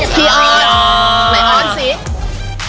คีออน